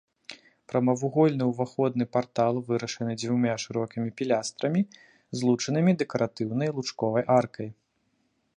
Прамавугольны ўваходны партал вырашаны дзвюма шырокімі пілястрамі, злучанымі дэкаратыўнай лучковай аркай.